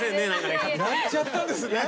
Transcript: やっちゃったんですね。